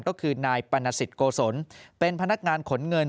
ก็คือนายปรณสิทธโกศลเป็นพนักงานขนเงิน